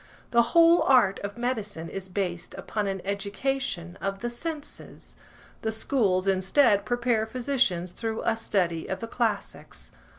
The whole art of medicine is based upon an education of the senses; the schools, instead, prepare physicians through a study of the classics.